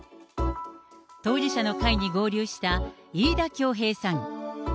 当事者の会に合流した飯田恭平さん。